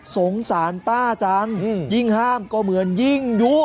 สงสารป้าจังยิ่งห้ามก็เหมือนยิ่งยุ